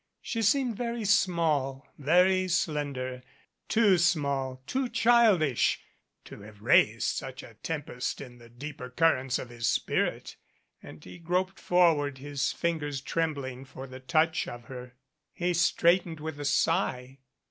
She seemed very small, very slender, too small, too childish to have raised such a tempest in the deeper currents of his spirit, and he groped forward, his fingers trembling for the touch of her. He straightened with a sigh.